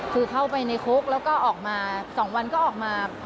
คือเข้าไปในคุกแล้วก็ออกมา๒วันก็ออกมา